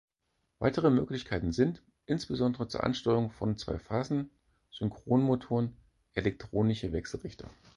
Weitere Möglichkeiten sind, insbesondere zur Ansteuerung von Zweiphasen-Synchronmotoren, elektronische Wechselrichter.